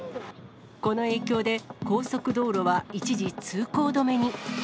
この影響で、高速道路は一時通行止めに。